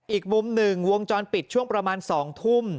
อีกมุมหนึ่งวงจรปิดช่วงประมาณ๒ทุ่ม